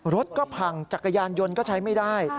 รถก็พังจักรยานยนต์ก็ใช้ไม่ได้